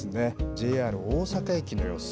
ＪＲ大阪駅の様子。